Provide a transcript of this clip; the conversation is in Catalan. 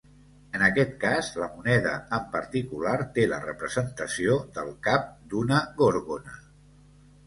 En aquest cas, la moneda en particular té la representació del cap d'una Gorgona.